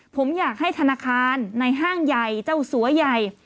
ผมอยากให้ธนาคารในห้างใหญ่เจ้าสัวใหญ่